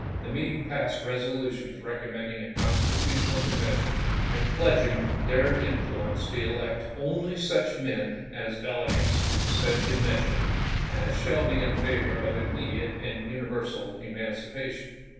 The meeting passed resolutions recommending a Constitutional Convention and pledging their in fluence to elect " only such men, as delegates to said Convention, as shall be in favor of immediate and universal emancipation."